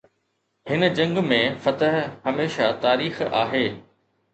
هن جنگ ۾ فتح هميشه تاريخ آهي.